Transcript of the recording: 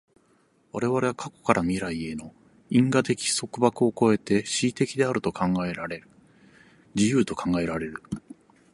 我々は過去から未来への因果的束縛を越えて思惟的であると考えられる、自由と考えられる。